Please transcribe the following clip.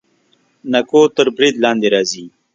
نکو تر برید لاندې راځي.